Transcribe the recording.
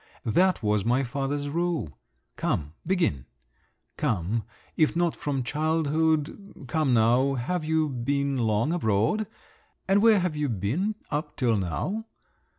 That was my father's rule. Come, begin … come, if not from childhood—come now, have you been long abroad? And where have you been up till now?